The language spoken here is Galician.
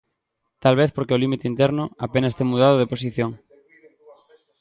Talvez porque o límite interno apenas ten mudado de posición.